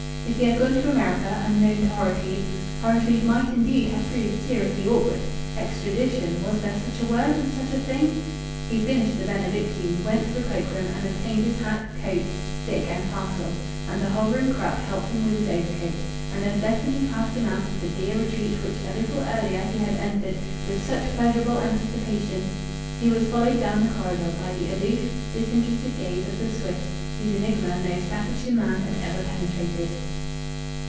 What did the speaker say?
If he had gone to America unknown to Horrocleave, Horrocleave might indeed have proved seriously awkward.... Extradition was there such a word, and such a thing? He finished the benedictine, went to the cloak room and obtained his hat, coat, stick, and parcel; and the hovering Krupp helped him with his overcoat; and as Destiny cast him out of the dear retreat which a little earlier he had entered with such pleasurable anticipations, he was followed down the corridor by the aloof, disinterested gaze of the Swiss whose enigma no Staffordshire man had ever penetrated.